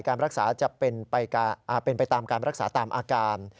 การรักษาจะเป็นไปตามการรักษาตามอาการ